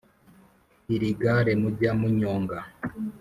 Iri gare mujya munyoga